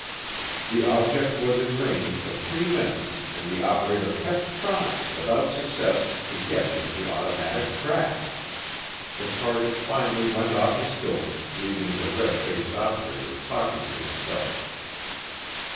The object was in range for three minutes and the operator kept trying, without success, to get into automatic track. The target finally went off the scope, leaving the red faced operator talking to himself.